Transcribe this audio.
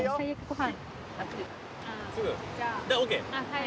はい。